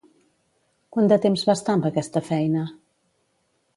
Quant de temps va estar amb aquesta feina?